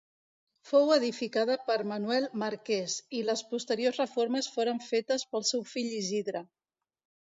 Fou edificada per Manuel Marqués, i les posteriors reformes foren fetes pel seu fill Isidre.